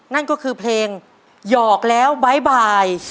นั่นก็คือเพลงหยอกแล้วบ๊ายบาย